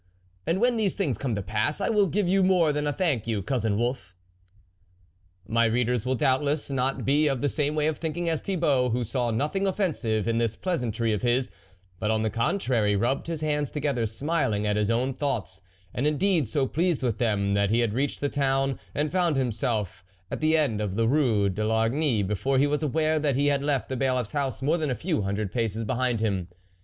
and when these things come to pass, I will give you more than a thank you, Cousin Wolf." My readers will doubtless not be of the same way of thinking as Thibault, who saw nothing offensive in this pleasantry of his, but on the contrary, rubbed his hands together smiling at his own thoughts, and indeed so pleased with them that he had reached the town, and found himself at the end of the Rue de Largny before he was aware that he had left the Bailiffs house more than a few hundred paces behind him.